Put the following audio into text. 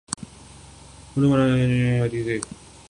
مظلومانہ مارا جانا ایک اور بات ہے۔